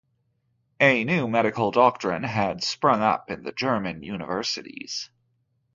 A new medical doctrine had sprung up in the German universities.